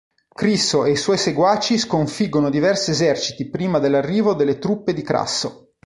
Crisso e i suoi seguaci sconfiggono diversi eserciti prima dell'arrivo delle truppe di Crasso.